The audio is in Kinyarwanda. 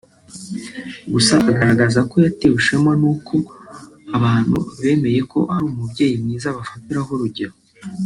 Gusa agaragaza ko yatewe ishema no kumva ko abantu bamenye ko ari umubyeyi mwiza bafatiraho urugero